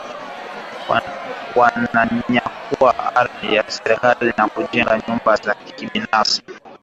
Watu wananyakua ardhi ya serikali na kujenga nyumba za kibinafsi